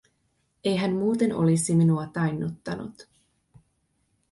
Ei hän muuten olisi minua tainnuttanut.